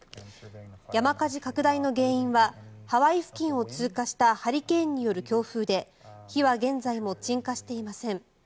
山火事拡大の原因はハワイ付近を通過したハリケーンによる強風で火は現在も鎮火していません。